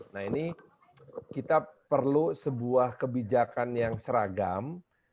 nah ini kita perlu sebuah kebijakan yang seragam